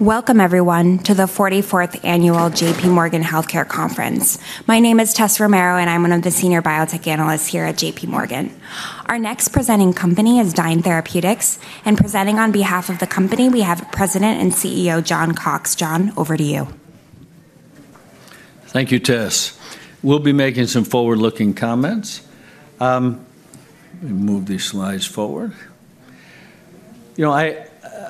Welcome, everyone, to the 44th Annual J.P. Morgan Healthcare Conference. My name is Tessa Romero, and I'm one of the Senior Biotech Analysts here at J.P. Morgan. Our next presenting company is Dyne Therapeutics, and presenting on behalf of the company, we have President and CEO John Cox. John, over to you. Thank you, Tess. We'll be making some forward-looking comments. Let me move these slides forward. You know,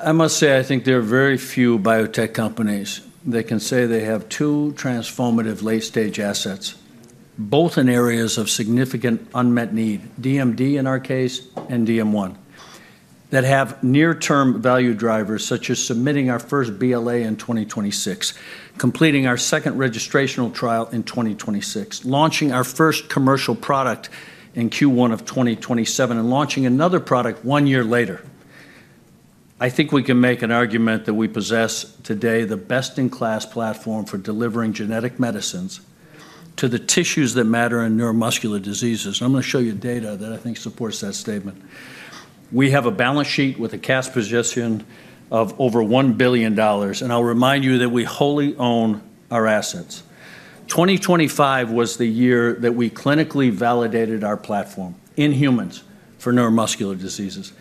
I must say, I think there are very few biotech companies that can say they have two transformative late-stage assets, both in areas of significant unmet need: DMD in our case, and DM1, that have near-term value drivers, such as submitting our first BLA in 2026, completing our second registrational trial in 2026, launching our first commercial product in Q1 of 2027, and launching another product one year later. I think we can make an argument that we possess today the best-in-class platform for delivering genetic medicines to the tissues that matter in neuromuscular diseases. And I'm going to show you data that I think supports that statement. We have a balance sheet with a cash position of over $1 billion, and I'll remind you that we wholly own our assets. 2025 was the year that we clinically validated our platform in humans for neuromuscular diseases.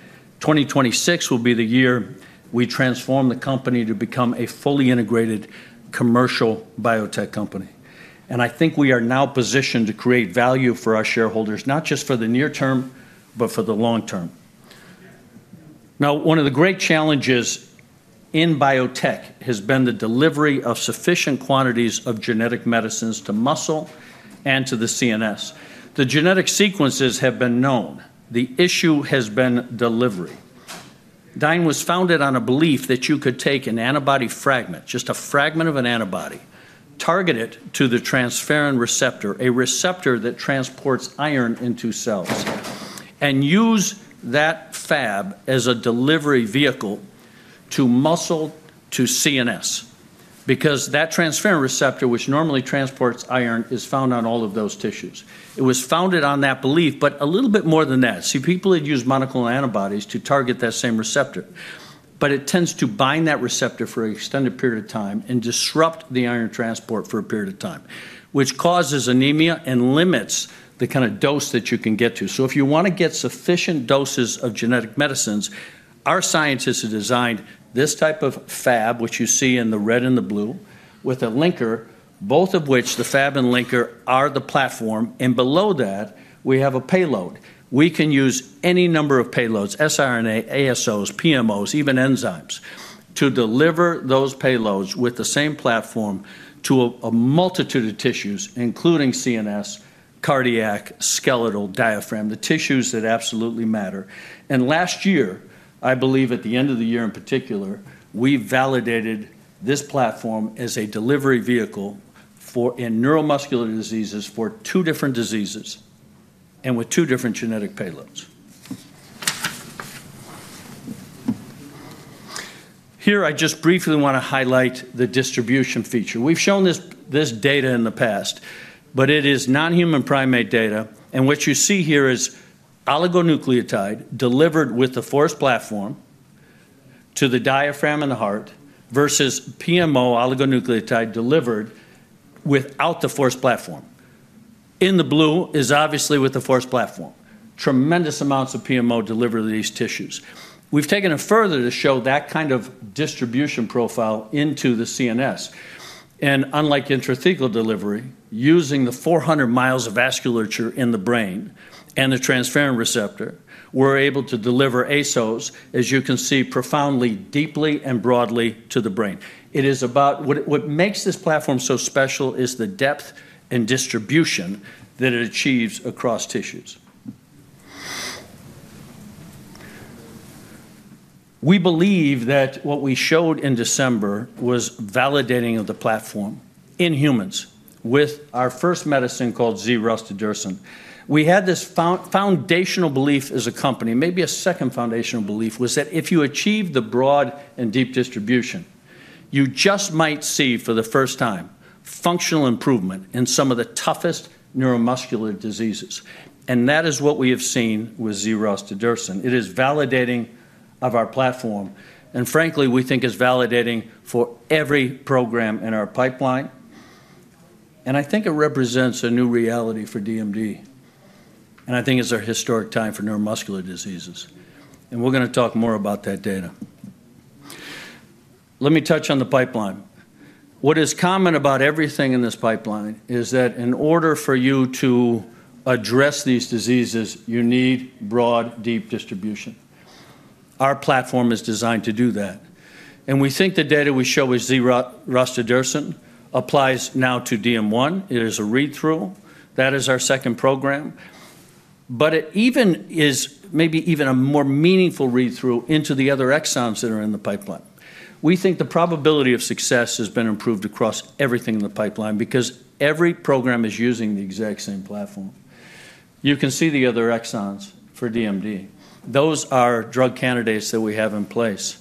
2026 will be the year we transform the company to become a fully integrated commercial biotech company. I think we are now positioned to create value for our shareholders, not just for the near term, but for the long term. Now, one of the great challenges in biotech has been the delivery of sufficient quantities of genetic medicines to muscle and to the CNS. The genetic sequences have been known. The issue has been delivery. Dyne was founded on a belief that you could take an antibody fragment, just a fragment of an antibody, target it to the transferrin receptor, a receptor that transports iron into cells, and use that Fab as a delivery vehicle to muscle, to CNS, because that transferrin receptor, which normally transports iron, is found on all of those tissues. It was founded on that belief, but a little bit more than that. See, people had used monoclonal antibodies to target that same receptor, but it tends to bind that receptor for an extended period of time and disrupt the iron transport for a period of time, which causes anemia and limits the kind of dose that you can get to. So if you want to get sufficient doses of genetic medicines, our scientists have designed this type of Fab, which you see in the red and the blue, with a linker, both of which, the Fab and linker, are the platform. And below that, we have a payload. We can use any number of payloads: siRNA, ASOs, PMOs, even enzymes, to deliver those payloads with the same platform to a multitude of tissues, including CNS, cardiac, skeletal, diaphragm, the tissues that absolutely matter. Last year, I believe at the end of the year in particular, we validated this platform as a delivery vehicle in neuromuscular diseases for two different diseases and with two different genetic payloads. Here, I just briefly want to highlight the distribution feature. We've shown this data in the past, but it is non-human primate data. What you see here is oligonucleotide delivered with the force platform to the diaphragm and the heart versus PMO oligonucleotide delivered without the force platform. In the blue is obviously with the force platform. Tremendous amounts of PMO delivered to these tissues. We've taken it further to show that kind of distribution profile into the CNS. Unlike intrathecal delivery, using the 400 miles of vasculature in the brain and the transferrin receptor, we're able to deliver ASOs, as you can see, profoundly, deeply, and broadly to the brain. It is about what makes this platform so special is the depth and distribution that it achieves across tissues. We believe that what we showed in December was validating of the platform in humans with our first medicine called DYNE-251. We had this foundational belief as a company. Maybe a second foundational belief was that if you achieve the broad and deep distribution, you just might see for the first time functional improvement in some of the toughest neuromuscular diseases. And that is what we have seen with DYNE-251. It is validating of our platform, and frankly, we think is validating for every program in our pipeline. And I think it represents a new reality for DMD, and I think it's our historic time for neuromuscular diseases. And we're going to talk more about that data. Let me touch on the pipeline. What is common about everything in this pipeline is that in order for you to address these diseases, you need broad, deep distribution. Our platform is designed to do that. And we think the data we show with DYNE-251 applies now to DM1. It is a read-through. That is our second program. But it even is maybe even a more meaningful read-through into the other exons that are in the pipeline. We think the probability of success has been improved across everything in the pipeline because every program is using the exact same platform. You can see the other exons for DMD. Those are drug candidates that we have in place.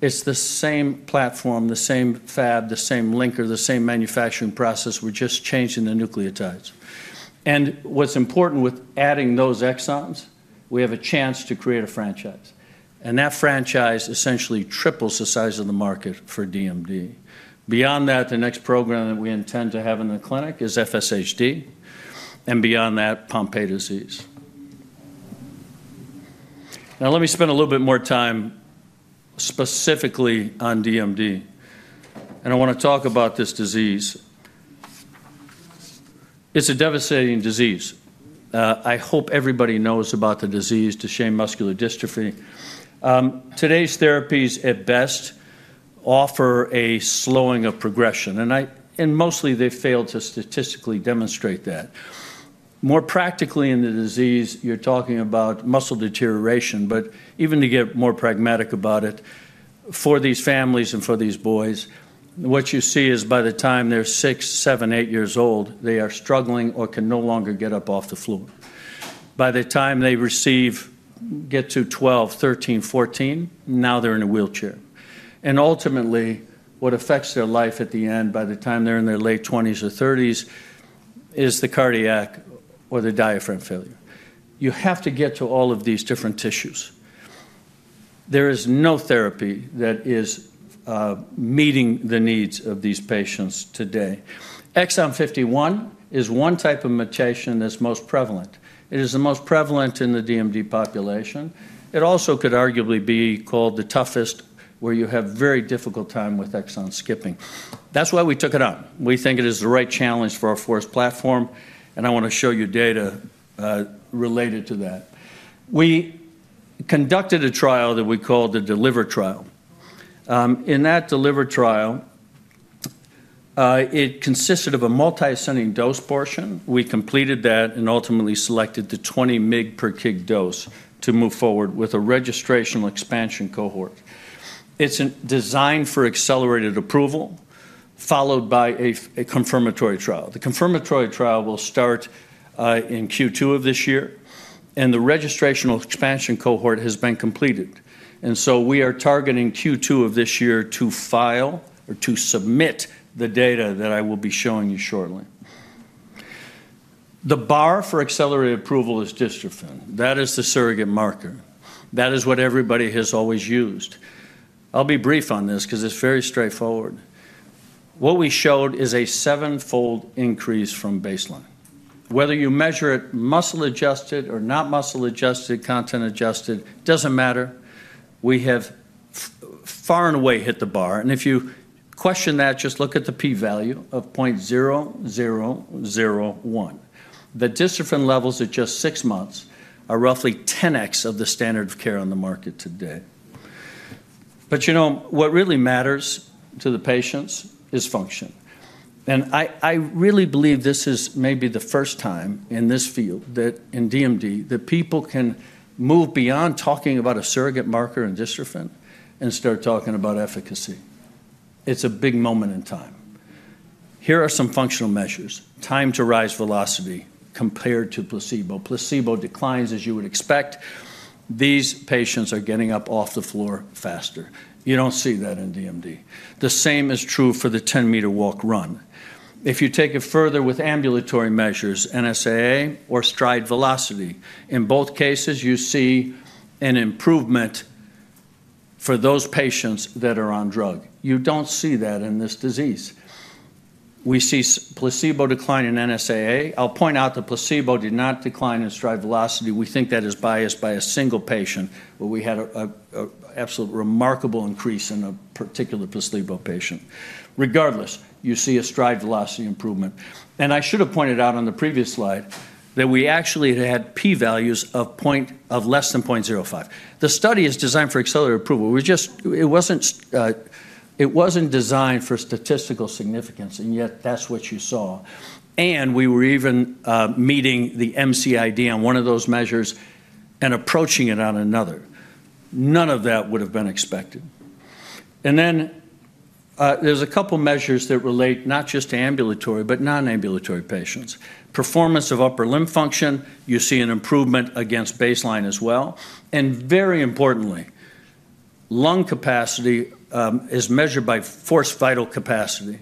It's the same platform, the same fab, the same linker, the same manufacturing process. We're just changing the nucleotides. And what's important with adding those exons, we have a chance to create a franchise. That franchise essentially triples the size of the market for DMD. Beyond that, the next program that we intend to have in the clinic is FSHD, and beyond that, Pompe disease. Now, let me spend a little bit more time specifically on DMD. I want to talk about this disease. It's a devastating disease. I hope everybody knows about the disease, Duchenne muscular dystrophy. Today's therapies, at best, offer a slowing of progression, and mostly they fail to statistically demonstrate that. More practically in the disease, you're talking about muscle deterioration. But even to get more pragmatic about it, for these families and for these boys, what you see is by the time they're six, seven, eight years old, they are struggling or can no longer get up off the floor. By the time they get to 12, 13, 14, now they're in a wheelchair. Ultimately, what affects their life at the end, by the time they're in their late 20s or 30s, is the cardiac or the diaphragm failure. You have to get to all of these different tissues. There is no therapy that is meeting the needs of these patients today. exon 51 is one type of mutation that's most prevalent. It is the most prevalent in the DMD population. It also could arguably be called the toughest, where you have a very difficult time with exon skipping. That's why we took it on. We think it is the right challenge for our FORCE platform, and I want to show you data related to that. We conducted a trial that we called the DELIVER trial. In that DELIVER trial, it consisted of a multi-ascending dose portion. We completed that and ultimately selected the 20 mg per kg dose to move forward with a registrational expansion cohort. It's designed for accelerated approval, followed by a confirmatory trial. The confirmatory trial will start in Q2 of this year, and the registrational expansion cohort has been completed, and so we are targeting Q2 of this year to file or to submit the data that I will be showing you shortly. The bar for accelerated approval is dystrophin. That is the surrogate marker. That is what everybody has always used. I'll be brief on this because it's very straightforward. What we showed is a seven-fold increase from baseline. Whether you measure it muscle-adjusted or not muscle-adjusted, content-adjusted, it doesn't matter. We have far and away hit the bar, and if you question that, just look at the p-value of 0.0001. The dystrophin levels at just six months are roughly 10x of the standard of care on the market today. But you know what really matters to the patients is function. And I really believe this is maybe the first time in this field, in DMD, that people can move beyond talking about a surrogate marker in dystrophin and start talking about efficacy. It's a big moment in time. Here are some functional measures: time to rise velocity compared to placebo. Placebo declines, as you would expect. These patients are getting up off the floor faster. You don't see that in DMD. The same is true for the 10-meter walk run. If you take it further with ambulatory measures, NSAA or Stride velocity, in both cases, you see an improvement for those patients that are on drug. You don't see that in this disease. We see placebo decline in NSAA. I'll point out the placebo did not decline in Stride velocity. We think that is biased by a single patient, but we had an absolutely remarkable increase in a particular placebo patient. Regardless, you see a Stride velocity improvement, and I should have pointed out on the previous slide that we actually had p-values of less than 0.05. The study is designed for accelerated approval. It wasn't designed for statistical significance, and yet that's what you saw, and we were even meeting the MCID on one of those measures and approaching it on another. None of that would have been expected, and then there's a couple of measures that relate not just to ambulatory, but non-ambulatory patients. Performance of upper limb function, you see an improvement against baseline as well, and very importantly, lung capacity is measured by forced vital capacity.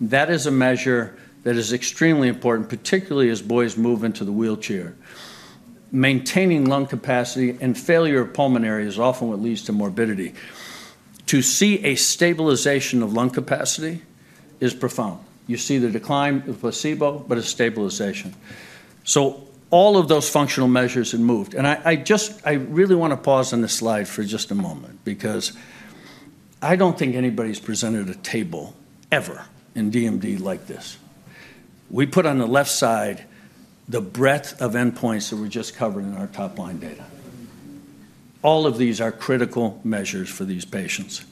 That is a measure that is extremely important, particularly as boys move into the wheelchair. Maintaining lung capacity and pulmonary failure is often what leads to morbidity. To see a stabilization of lung capacity is profound. You see the decline of placebo, but a stabilization. So all of those functional measures have moved, and I really want to pause on this slide for just a moment because I don't think anybody's presented a table ever in DMD like this. We put on the left side the breadth of endpoints that we're just covering in our top line data. All of these are critical measures for these patients.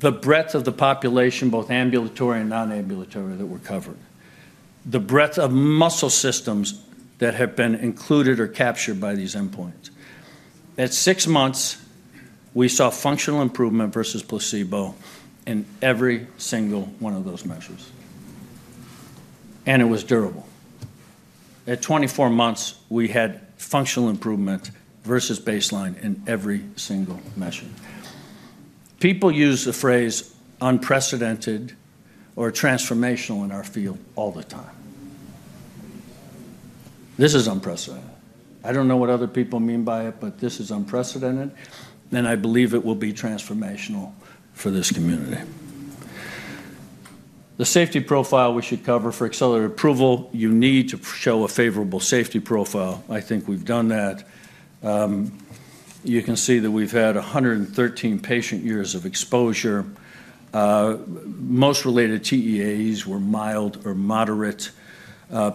The breadth of the population, both ambulatory and non-ambulatory, that were covered. The breadth of muscle systems that have been included or captured by these endpoints. At six months, we saw functional improvement versus placebo in every single one of those measures. It was durable. At 24 months, we had functional improvement versus baseline in every single measure. People use the phrase unprecedented or transformational in our field all the time. This is unprecedented. I don't know what other people mean by it, but this is unprecedented, and I believe it will be transformational for this community. The safety profile we should cover for accelerated approval. You need to show a favorable safety profile. I think we've done that. You can see that we've had 113 patient years of exposure. Most related TEAs were mild or moderate.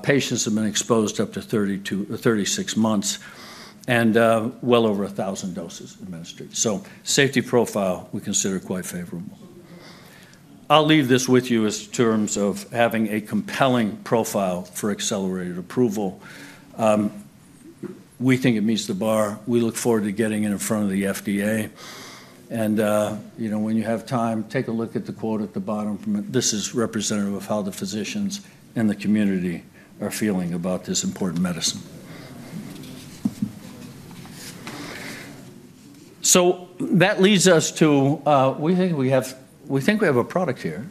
Patients have been exposed up to 36 months and well over 1,000 doses administered. So, safety profile, we consider quite favorable. I'll leave this with you in terms of having a compelling profile for accelerated approval. We think it meets the bar. We look forward to getting it in front of the FDA. And when you have time, take a look at the quote at the bottom. This is representative of how the physicians and the community are feeling about this important medicine. So that leads us to we think we have a product here,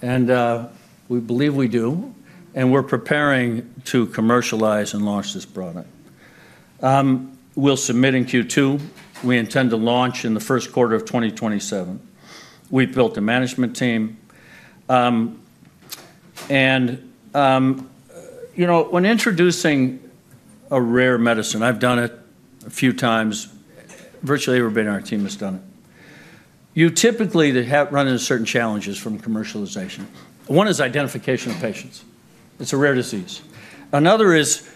and we believe we do, and we're preparing to commercialize and launch this product. We'll submit in Q2. We intend to launch in the first quarter of 2027. We've built a management team. And when introducing a rare medicine, I've done it a few times. Virtually everybody on our team has done it. You typically run into certain challenges from commercialization. One is identification of patients. It's a rare disease. Another is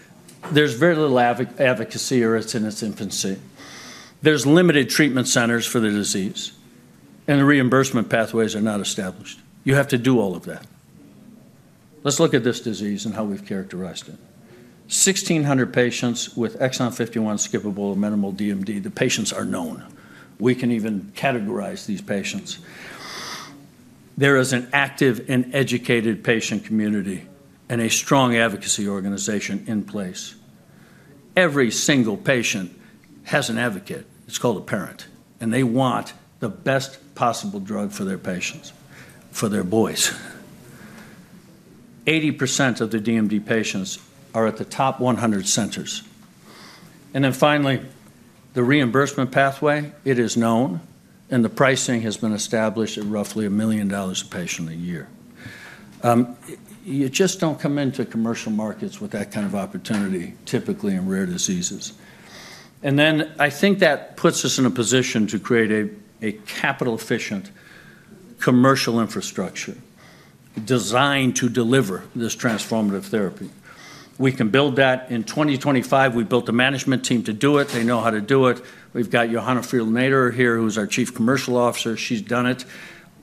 there's very little advocacy or it's in its infancy. There's limited treatment centers for the disease, and the reimbursement pathways are not established. You have to do all of that. Let's look at this disease and how we've characterized it. 1,600 patients with exon 51 skippable or minimal DMD. The patients are known. We can even categorize these patients. There is an active and educated patient community and a strong advocacy organization in place. Every single patient has an advocate. It's called a parent, and they want the best possible drug for their patients, for their boys. 80% of the DMD patients are at the top 100 centers. And then finally, the reimbursement pathway, it is known, and the pricing has been established at roughly $1 million a patient a year. You just don't come into commercial markets with that kind of opportunity, typically in rare diseases. And then I think that puts us in a position to create a capital-efficient commercial infrastructure designed to deliver this transformative therapy. We can build that. In 2025, we built a management team to do it. They know how to do it. We've got Johanna Friedl-Khoder here, who's our Chief Commercial Officer. She's done it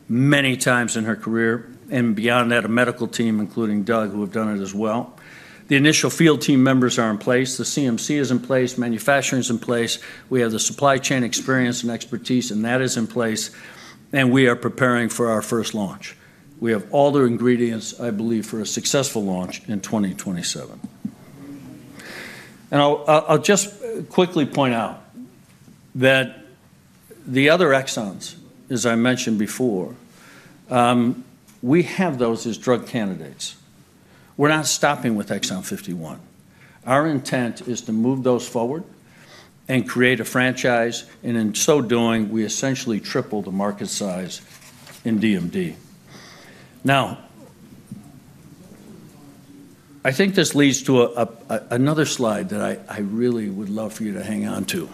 many times in her career. And beyond that, a medical team, including Doug, who have done it as well. The initial field team members are in place. The CMC is in place. Manufacturing is in place. We have the supply chain experience and expertise, and that is in place. And we are preparing for our first launch. We have all the ingredients, I believe, for a successful launch in 2027. And I'll just quickly point out that the other exons, as I mentioned before, we have those as drug candidates. We're not stopping with exon 51. Our intent is to move those forward and create a franchise. And in so doing, we essentially triple the market size in DMD. Now, I think this leads to another slide that I really would love for you to hang on to.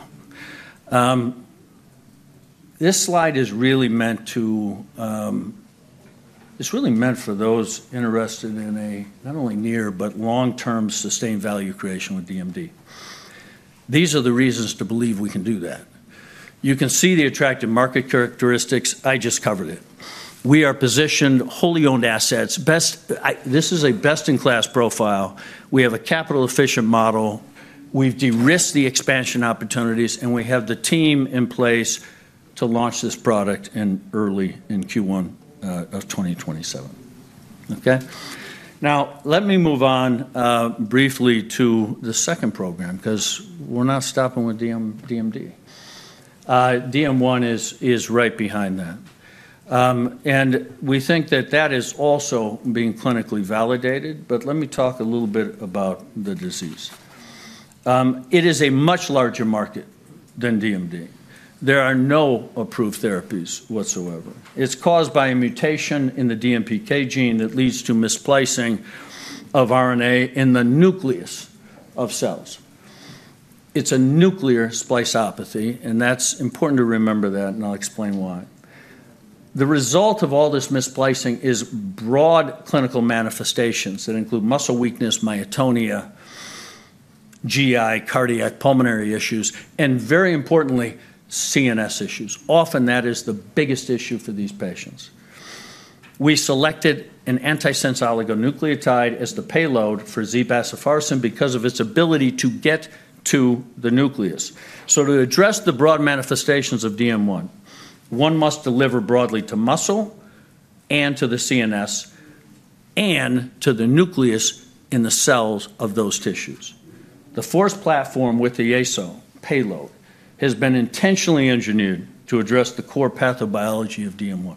This slide is really meant to. It's really meant for those interested in not only near, but long-term sustained value creation with DMD. These are the reasons to believe we can do that. You can see the attractive market characteristics. I just covered it. We are positioned wholly owned assets. This is a best-in-class profile. We have a capital-efficient model. We've de-risked the expansion opportunities, and we have the team in place to launch this product early in Q1 of 2027. Okay? Now, let me move on briefly to the second program because we're not stopping with DMD. DM1 is right behind that, and we think that that is also being clinically validated, but let me talk a little bit about the disease. It is a much larger market than DMD. There are no approved therapies whatsoever. It's caused by a mutation in the DMPK gene that leads to misplacing of RNA in the nucleus of cells. It's a nuclear spliceopathy, and that's important to remember that, and I'll explain why. The result of all this misplacing is broad clinical manifestations that include muscle weakness, myotonia, GI, cardiac, pulmonary issues, and very importantly, CNS issues. Often, that is the biggest issue for these patients. We selected an antisense oligonucleotide as the payload for DYNE-101 because of its ability to get to the nucleus, so to address the broad manifestations of DM1, one must deliver broadly to muscle and to the CNS and to the nucleus in the cells of those tissues. The FORCE platform with the ASO payload has been intentionally engineered to address the core pathobiology of DM1.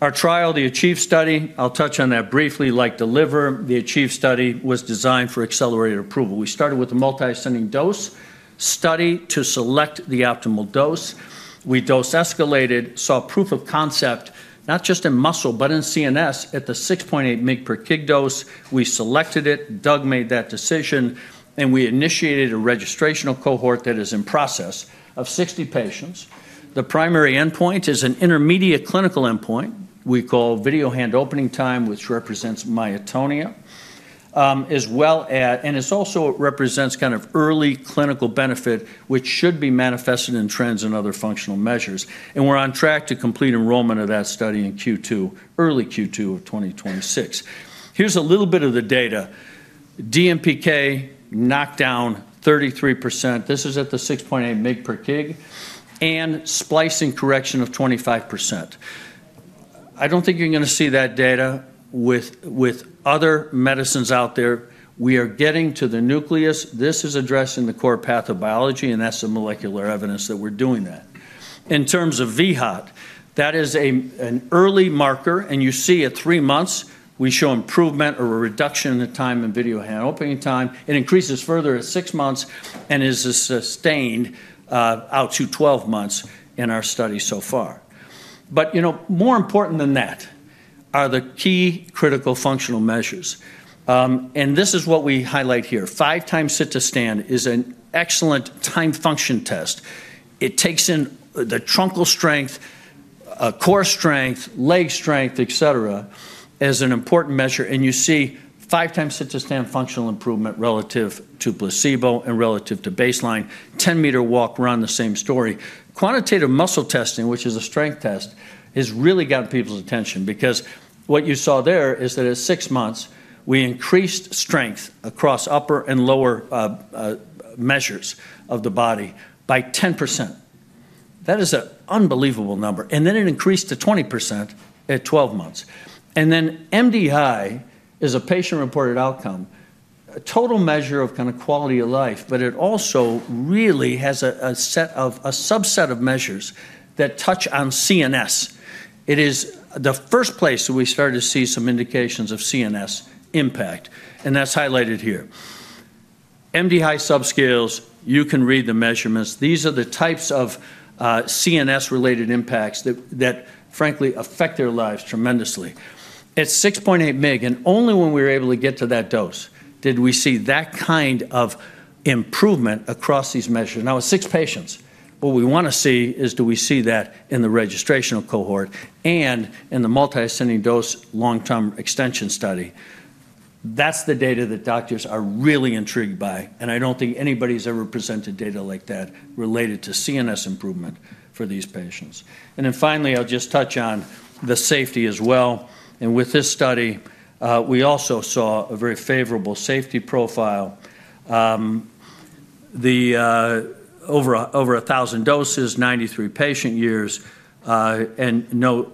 Our trial, the ACHIEVE study, I'll touch on that briefly, like DELIVER, the ACHIEVE study was designed for accelerated approval. We started with a multi-ascending dose study to select the optimal dose. We dose-escalated, saw proof of concept, not just in muscle, but in CNS at the 6.8 mg per kg dose. We selected it. Doug made that decision, and we initiated a registrational cohort that is in process of 60 patients. The primary endpoint is an intermediate clinical endpoint we call video hand opening time, which represents myotonia, and it also represents kind of early clinical benefit, which should be manifested in trends and other functional measures. And we're on track to complete enrollment of that study in Q2, early Q2 of 2026. Here's a little bit of the data. DMPK knocked down 33%. This is at the 6.8 mg per kg and splicing correction of 25%. I don't think you're going to see that data with other medicines out there. We are getting to the nucleus. This is addressing the core pathobiology, and that's the molecular evidence that we're doing that. In terms of vHOT, that is an early marker, and you see at three months, we show improvement or a reduction in the time in video hand opening time. It increases further at six months and is sustained out to 12 months in our study so far. But more important than that are the key critical functional measures. And this is what we highlight here. Five-time sit-to-stand is an excellent time function test. It takes in the truncal strength, core strength, leg strength, etc., as an important measure. And you see five-time sit-to-stand functional improvement relative to placebo and relative to baseline. 10-meter walk, we're on the same story. Quantitative muscle testing, which is a strength test, has really gotten people's attention because what you saw there is that at six months, we increased strength across upper and lower measures of the body by 10%. That is an unbelievable number, and then it increased to 20% at 12 months, and then MDHI is a patient-reported outcome, a total measure of kind of quality of life, but it also really has a subset of measures that touch on CNS. It is the first place that we started to see some indications of CNS impact, and that's highlighted here. MDHI subscales, you can read the measurements. These are the types of CNS-related impacts that, frankly, affect their lives tremendously. At 6.8 mg, and only when we were able to get to that dose did we see that kind of improvement across these measures. Now, with six patients, what we want to see is do we see that in the registrational cohort and in the multiple ascending dose long-term extension study? That's the data that doctors are really intrigued by, and I don't think anybody's ever presented data like that related to CNS improvement for these patients. And then finally, I'll just touch on the safety as well. And with this study, we also saw a very favorable safety profile. Over 1,000 doses, 93 patient years, and most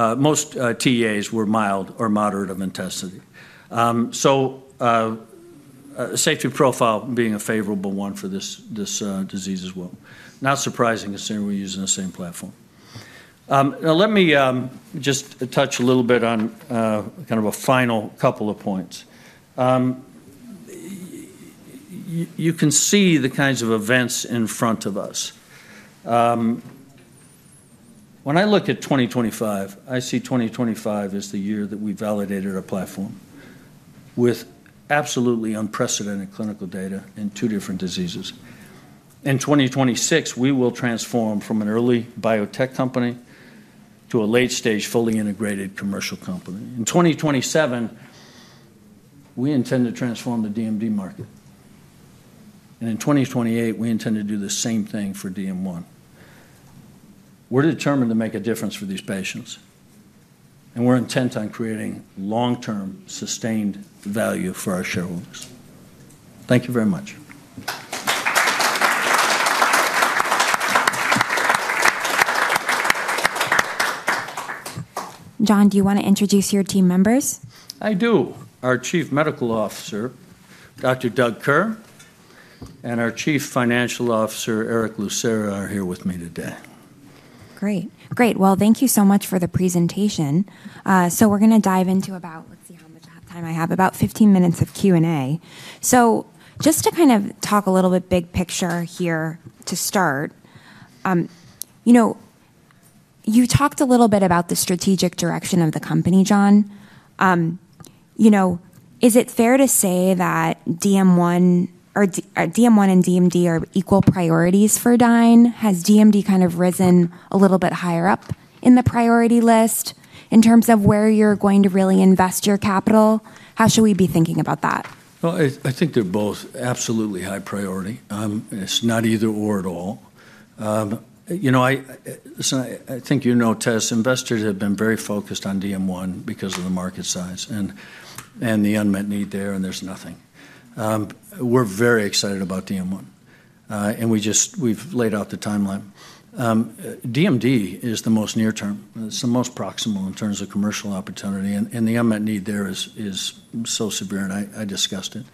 TEAEs were mild or moderate of intensity. So safety profile being a favorable one for this disease as well. Not surprising assuming we're using the same platform. Now, let me just touch a little bit on kind of a final couple of points. You can see the kinds of events in front of us. When I look at 2025, I see 2025 as the year that we validated a platform with absolutely unprecedented clinical data in two different diseases. In 2026, we will transform from an early biotech company to a late-stage fully integrated commercial company. In 2027, we intend to transform the DMD market, and in 2028, we intend to do the same thing for DM1. We're determined to make a difference for these patients, and we're intent on creating long-term sustained value for our shareholders. Thank you very much. John, do you want to introduce your team members? I do. Our Chief Medical Officer, Dr. Doug Kerr, and our Chief Financial Officer, Eric Lucera, are here with me today. Great. Great. Well, thank you so much for the presentation. So we're going to dive into about, let's see how much time I have, about 15 minutes of Q&A. So just to kind of talk a little bit big picture here to start, you talked a little bit about the strategic direction of the company, John. Is it fair to say that DM1 and DMD are equal priorities for Dyne? Has DMD kind of risen a little bit higher up in the priority list in terms of where you're going to really invest your capital? How should we be thinking about that? I think they're both absolutely high priority. It's not either/or at all. I think you know Tess, investors have been very focused on DM1 because of the market size and the unmet need there, and there's nothing. We're very excited about DM1, and we've laid out the timeline. DMD is the most near term. It's the most proximal in terms of commercial opportunity, and the unmet need there is so severe, and I discussed it,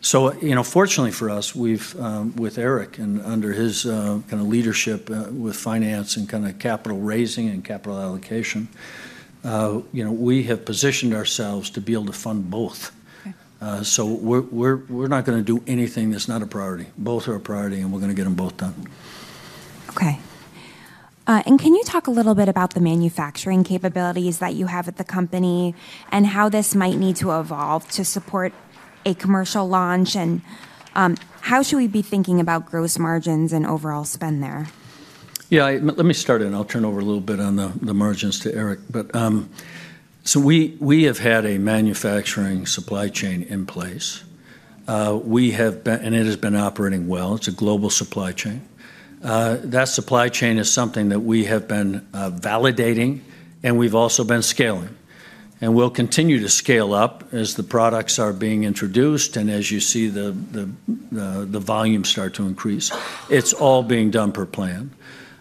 so fortunately for us, with Eric and under his kind of leadership with finance and kind of capital raising and capital allocation, we have positioned ourselves to be able to fund both, so we're not going to do anything that's not a priority. Both are a priority, and we're going to get them both done. Okay. And can you talk a little bit about the manufacturing capabilities that you have at the company and how this might need to evolve to support a commercial launch? And how should we be thinking about gross margins and overall spend there? Yeah, let me start it, and I'll turn over a little bit on the margins to Eric. So we have had a manufacturing supply chain in place, and it has been operating well. It's a global supply chain. That supply chain is something that we have been validating, and we've also been scaling. And we'll continue to scale up as the products are being introduced and as you see the volume start to increase. It's all being done per plan.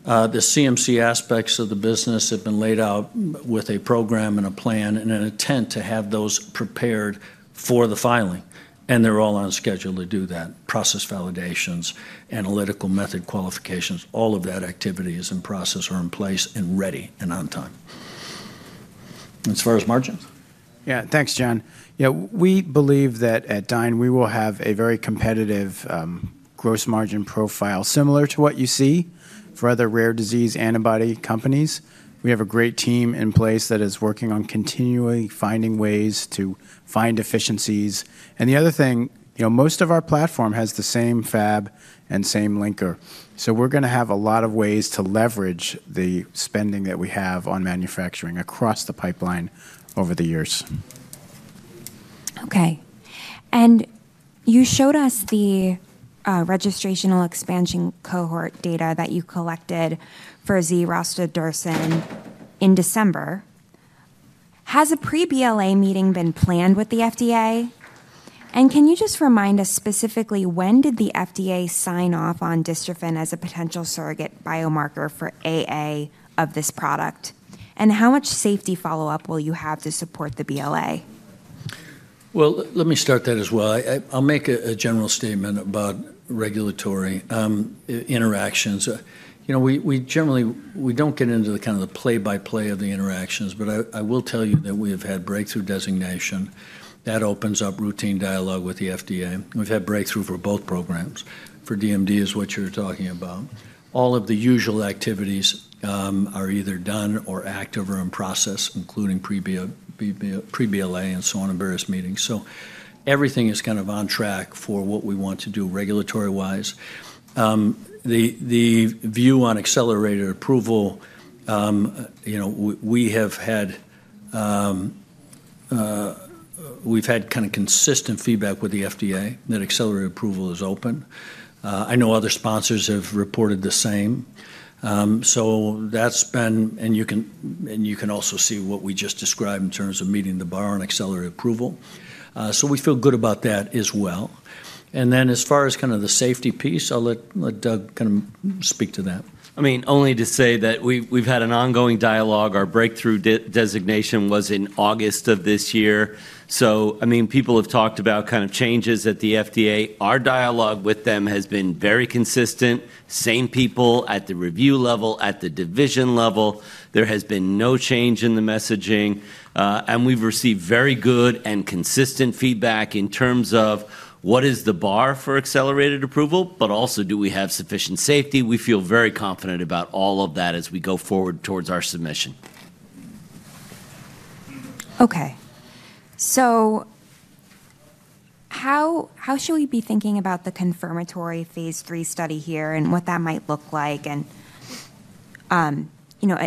The CMC aspects of the business have been laid out with a program and a plan and an intent to have those prepared for the filing. And they're all on schedule to do that. Process validations, analytical method qualifications, all of that activity is in process or in place and ready and on time. As far as margins? Yeah, thanks, John. Yeah, we believe that at Dyne, we will have a very competitive gross margin profile similar to what you see for other rare disease antibody companies. We have a great team in place that is working on continually finding ways to find efficiencies. And the other thing, most of our platform has the same fab and same linker. So we're going to have a lot of ways to leverage the spending that we have on manufacturing across the pipeline over the years. Okay. And you showed us the registrational expansion cohort data that you collected for DYNE-251 dosing in December. Has a pre-BLA meeting been planned with the FDA? And can you just remind us specifically when did the FDA sign off on Dystrophin as a potential surrogate biomarker for AA of this product? And how much safety follow-up will you have to support the BLA? Let me start that as well. I'll make a general statement about regulatory interactions. We don't get into the kind of play-by-play of the interactions, but I will tell you that we have had breakthrough designation that opens up routine dialogue with the FDA. We've had breakthrough for both programs. For DMD is what you're talking about. All of the usual activities are either done or active or in process, including pre-BLA and so on in various meetings. Everything is kind of on track for what we want to do regulatory-wise. The view on accelerated approval, we've had kind of consistent feedback with the FDA that accelerated approval is open. I know other sponsors have reported the same. That's been, and you can also see what we just described in terms of meeting the bar on accelerated approval. We feel good about that as well. As far as kind of the safety piece, I'll let Doug kind of speak to that. I mean, only to say that we've had an ongoing dialogue. Our breakthrough designation was in August of this year. So I mean, people have talked about kind of changes at the FDA. Our dialogue with them has been very consistent. Same people at the review level, at the division level. There has been no change in the messaging. And we've received very good and consistent feedback in terms of what is the bar for accelerated approval, but also do we have sufficient safety. We feel very confident about all of that as we go forward towards our submission. How should we be thinking about the confirmatory phase three study here and what that might look like and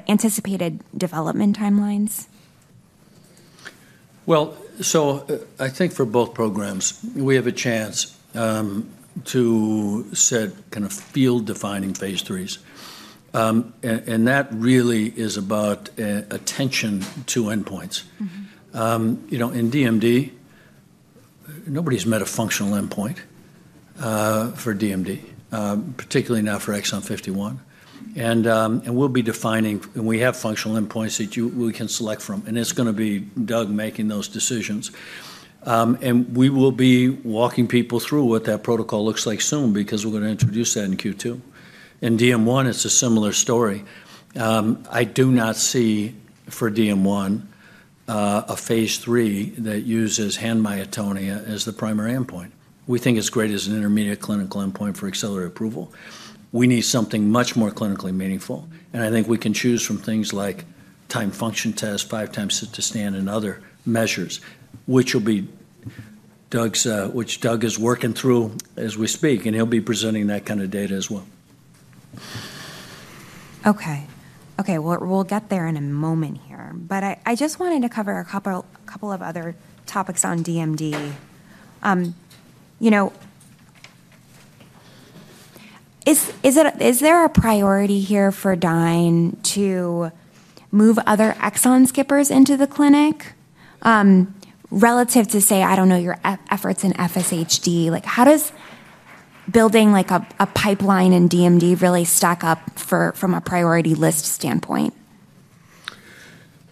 anticipated development timelines? So I think for both programs, we have a chance to set kind of field-defining phase 3s, and that really is about attention to endpoints. In DMD, nobody's met a functional endpoint for DMD, particularly now for exon 51. We'll be defining, and we have functional endpoints that we can select from. It's going to be Doug making those decisions. We will be walking people through what that protocol looks like soon because we're going to introduce that in Q2. In DM1, it's a similar story. I do not see for DM1 a phase 3 that uses hand myotonia as the primary endpoint. We think it's great as an intermediate clinical endpoint for accelerated approval. We need something much more clinically meaningful. I think we can choose from things like time function test, five-time sit-to-stand, and other measures, which Doug is working through as we speak. He'll be presenting that kind of data as well. Okay. Okay. Well, we'll get there in a moment here. But I just wanted to cover a couple of other topics on DMD. Is there a priority here for Dyne to move other exon skippers into the clinic relative to, say, I don't know, your efforts in FSHD? How does building a pipeline in DMD really stack up from a priority list standpoint?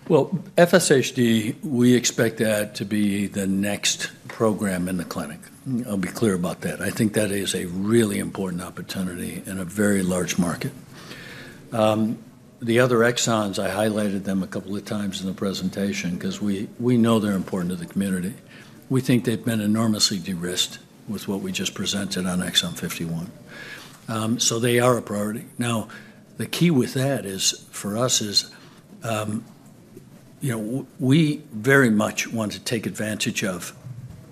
FSHD, we expect that to be the next program in the clinic. I'll be clear about that. I think that is a really important opportunity in a very large market. The other exons, I highlighted them a couple of times in the presentation because we know they're important to the community. We think they've been enormously de-risked with what we just presented on exon 51. So they are a priority. Now, the key with that for us is we very much want to take advantage of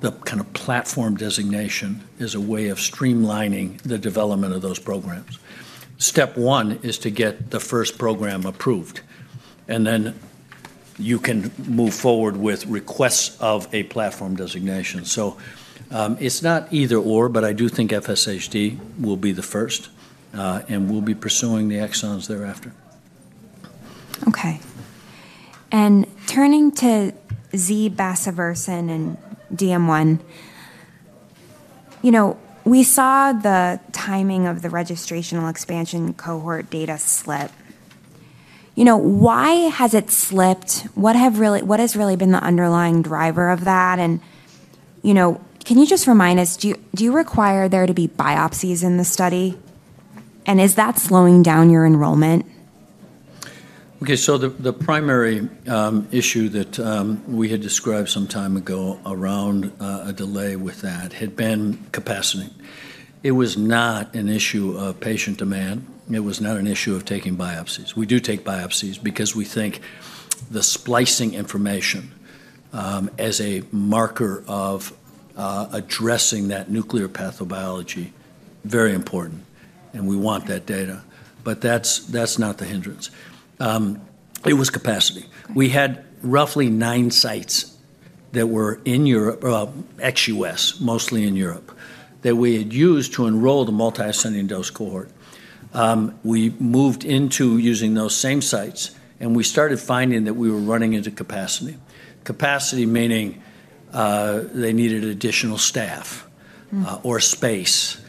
the kind of platform designation as a way of streamlining the development of those programs. Step one is to get the first program approved, and then you can move forward with requests of a platform designation. So it's not either/or, but I do think FSHD will be the first, and we'll be pursuing the exons thereafter. Okay. And turning to DYNE-101 and DM1, we saw the timing of the registrational expansion cohort data slip. Why has it slipped? What has really been the underlying driver of that? And can you just remind us, do you require there to be biopsies in the study? And is that slowing down your enrollment? Okay. So the primary issue that we had described some time ago around a delay with that had been capacity. It was not an issue of patient demand. It was not an issue of taking biopsies. We do take biopsies because we think the splicing information as a marker of addressing that nuclear pathobiology is very important, and we want that data. But that's not the hindrance. It was capacity. We had roughly nine sites that were in Europe, ex-U.S., mostly in Europe, that we had used to enroll the multiple ascending dose cohort. We moved into using those same sites, and we started finding that we were running into capacity. Capacity meaning they needed additional staff or space.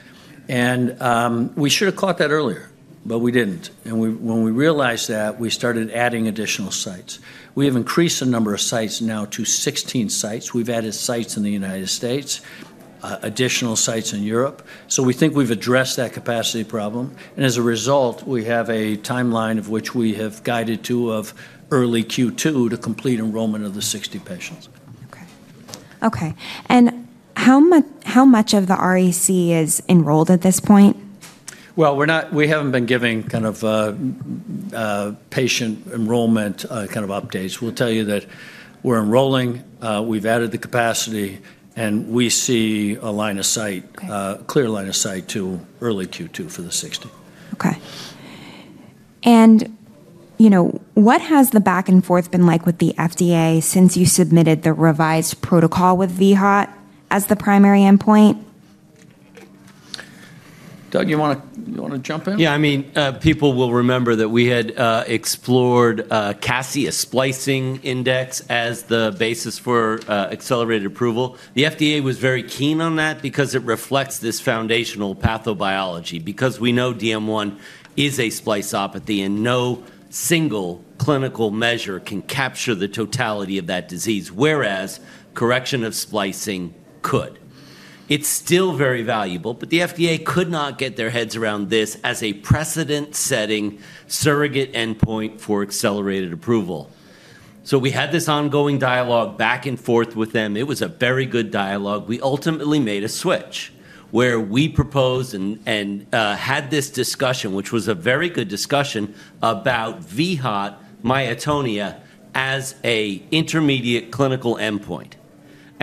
And we should have caught that earlier, but we didn't. And when we realized that, we started adding additional sites. We have increased the number of sites now to 16 sites. We've added sites in the United States, additional sites in Europe, so we think we've addressed that capacity problem, and as a result, we have a timeline of which we have guided to of early Q2 to complete enrollment of the 60 patients. Okay. Okay. And how much of the REC is enrolled at this point? We haven't been giving kind of patient enrollment kind of updates. We'll tell you that we're enrolling, we've added the capacity, and we see a line of sight, a clear line of sight to early Q2 for the 60. Okay. And what has the back and forth been like with the FDA since you submitted the revised protocol with vHOT as the primary endpoint? Doug, you want to jump in? Yeah. I mean, people will remember that we had explored cassette splicing index as the basis for accelerated approval. The FDA was very keen on that because it reflects this foundational pathobiology. Because we know DM1 is a splicopathy and no single clinical measure can capture the totality of that disease, whereas correction of splicing could. It's still very valuable, but the FDA could not get their heads around this as a precedent-setting surrogate endpoint for accelerated approval. So we had this ongoing dialogue back and forth with them. It was a very good dialogue. We ultimately made a switch where we proposed and had this discussion, which was a very good discussion about vHOT myotonia as an intermediate clinical endpoint.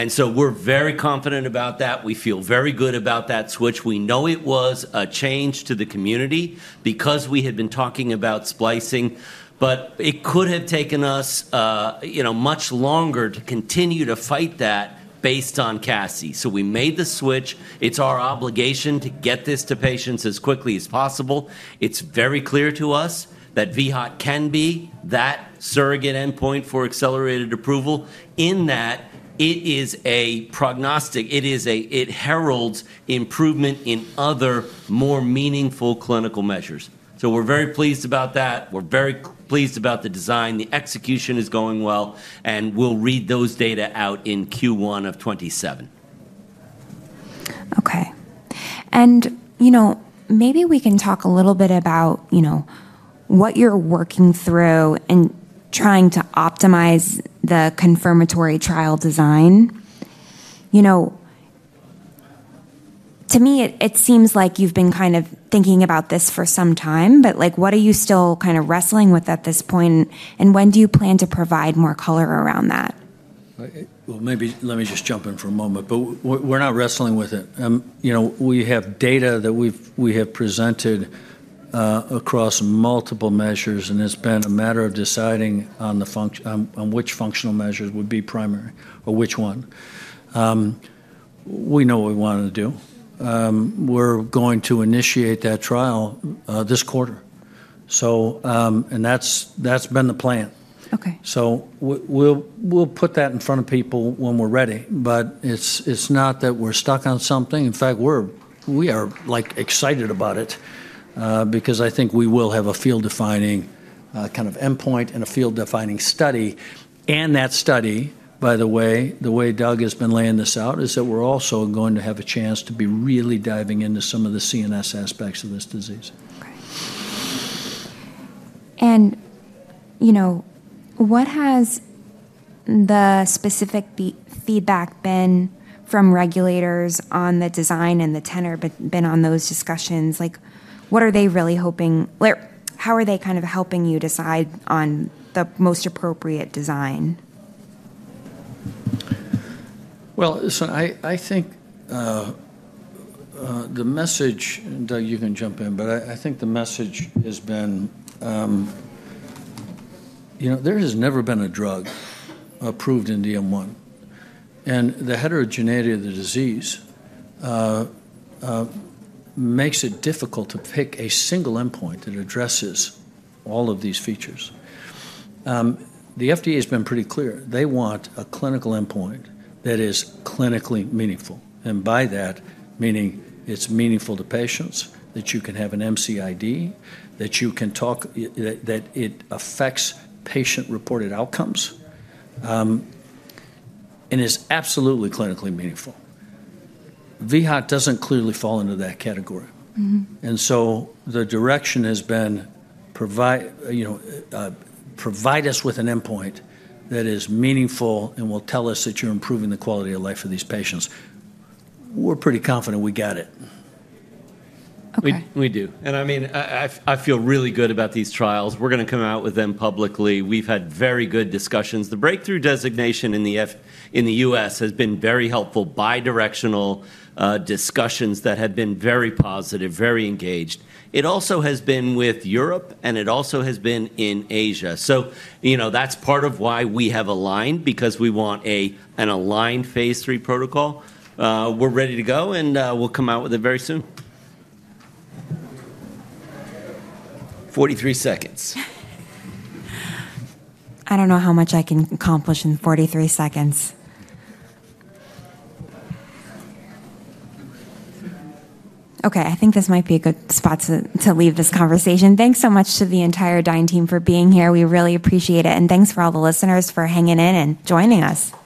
And so we're very confident about that. We feel very good about that switch. We know it was a change to the community because we had been talking about splicing, but it could have taken us much longer to continue to fight that based on CSI. So we made the switch. It's our obligation to get this to patients as quickly as possible. It's very clear to us that vHOT can be that surrogate endpoint for accelerated approval in that it is a prognostic. It heralds improvement in other more meaningful clinical measures. So we're very pleased about that. We're very pleased about the design. The execution is going well, and we'll read those data out in Q1 of 2027. Okay. And maybe we can talk a little bit about what you're working through and trying to optimize the confirmatory trial design. To me, it seems like you've been kind of thinking about this for some time, but what are you still kind of wrestling with at this point? And when do you plan to provide more color around that? Maybe let me just jump in for a moment, but we're not wrestling with it. We have data that we have presented across multiple measures, and it's been a matter of deciding on which functional measures would be primary or which one. We know what we want to do. We're going to initiate that trial this quarter, and that's been the plan, so we'll put that in front of people when we're ready, but it's not that we're stuck on something. In fact, we are excited about it because I think we will have a field-defining kind of endpoint and a field-defining study, and that study, by the way, the way Doug has been laying this out, is that we're also going to have a chance to be really diving into some of the CNS aspects of this disease. Okay. And what has the specific feedback been from regulators on the design and the tenor been on those discussions? What are they really hoping? How are they kind of helping you decide on the most appropriate design? Listen, I think the message, Doug. You can jump in, but I think the message has been: there has never been a drug approved in DM1. And the heterogeneity of the disease makes it difficult to pick a single endpoint that addresses all of these features. The FDA has been pretty clear. They want a clinical endpoint that is clinically meaningful. And by that, meaning it's meaningful to patients, that you can have an MCID, that it affects patient-reported outcomes, and is absolutely clinically meaningful. vHOT doesn't clearly fall into that category. And so the direction has been: provide us with an endpoint that is meaningful and will tell us that you're improving the quality of life for these patients. We're pretty confident we got it. We do. And I mean, I feel really good about these trials. We're going to come out with them publicly. We've had very good discussions. The breakthrough designation in the U.S. has been very helpful, bidirectional discussions that have been very positive, very engaged. It also has been with Europe, and it also has been in Asia. So that's part of why we have aligned because we want an aligned phase three protocol. We're ready to go, and we'll come out with it very soon. I don't know how much I can accomplish in 43 seconds. Okay. I think this might be a good spot to leave this conversation. Thanks so much to the entire Dyne team for being here. We really appreciate it. And thanks for all the listeners for hanging in and joining us. Thanks.